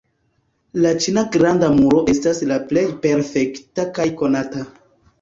La ĉina Granda Muro estas la plej perfekta kaj konata.